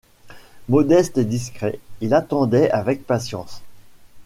Modeste et discret, il attendait avec patience.